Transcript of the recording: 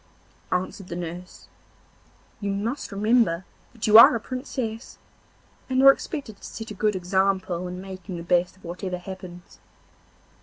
answered the nurse, 'you must remember that you are a Princess, and are expected to set a good example in making the best of whatever happens.